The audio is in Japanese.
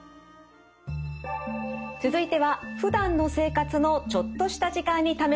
続いてはふだんの生活のちょっとした時間に試せるポーズです。